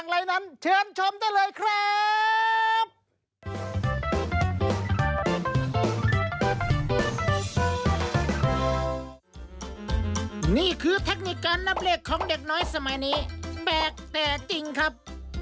นี่คือเทคนิคการนับเลขของเด็กน้อยสมัยนี้แปลกแต่จริงครับ